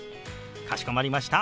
かしこまりました。